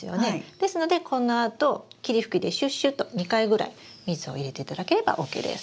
ですのでこのあと霧吹きでシュッシュと２回ぐらい水を入れていただければＯＫです。